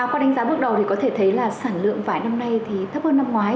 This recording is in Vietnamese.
qua đánh giá bước đầu thì có thể thấy là sản lượng vải năm nay thì thấp hơn năm ngoái